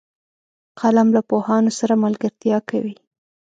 قلم له پوهانو سره ملګرتیا کوي